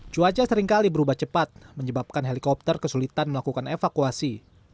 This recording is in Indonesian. cuaca seringkali berubah cepat menyebabkan helikopter kesulitan melakukan evakuasi